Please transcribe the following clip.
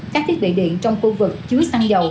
các thiết bị điện trong khu vực chứa xăng dầu